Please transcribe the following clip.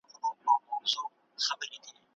په ډېرو مسلمانانو کې وړتیا شته.